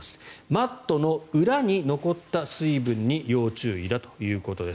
マットの裏に残った水分に要注意だということです。